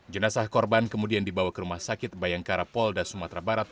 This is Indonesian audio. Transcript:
jenazah korban kemudian dibawa ke rumah sakit bayangkara polda sumatera barat